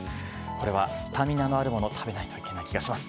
これはスタミナのあるもの食べないといけない気がします。